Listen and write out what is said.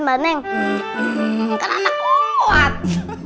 muka tak kuat